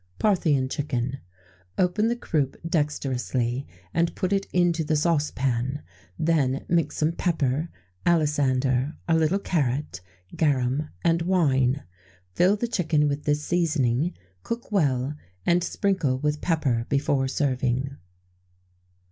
[XVII 32] Parthian Chicken. Open the croup dexterously, and put it in the saucepan; then mix some pepper, alisander, a little carrot, garum, and wine; fill the chicken with this seasoning; cook well, and sprinkle with pepper before serving.